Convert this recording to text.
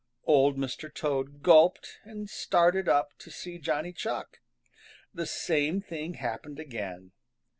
Old Mr. Toad gulped and started up to see Johnny Chuck. The same thing happened again.